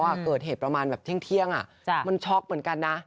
เกิดเหตุประมาณแบบเที่ยงมันช็อกเหมือนกันนะ